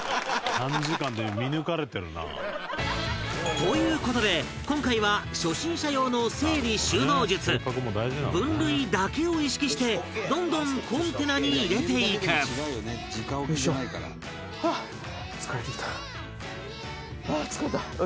という事で、今回は初心者用の整理収納術分類だけを意識してどんどんコンテナに入れていくせいや：疲れてきた。